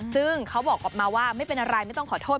ซึ่งเขาบอกกลับมาว่าไม่เป็นอะไรไม่ต้องขอโทษ